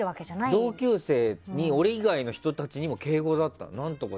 同級生とかにも俺以外の人たちにも敬語だったの。